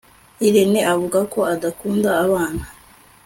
irene avuga ko adakunda abana